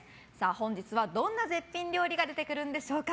本日はどんな絶品料理が出てくるんでしょうか。